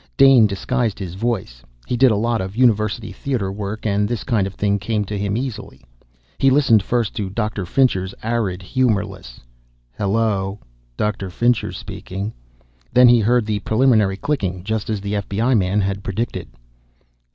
Dane disguised his voice he did a lot of University Theater work and this kind of thing came to him easily. He listened first to Dr. Fincher's arid, humorless, "Hello. Dr. Fincher speaking." Then he heard the preliminary clicking, just as the FBI man had predicted.